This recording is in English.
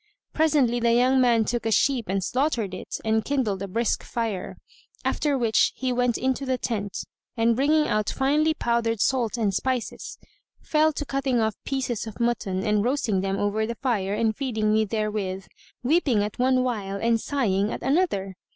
Presently the young man took a sheep and slaughtered it and kindled a brisk fire; after which he went into the tent and bringing out finely powdered salt and spices, fell to cutting off pieces of mutton and roasting them over the fire and feeding me therewith, weeping at one while and sighing at another.